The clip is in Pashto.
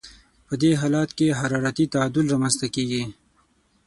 په دې حالت کې حرارتي تعادل رامنځته کیږي.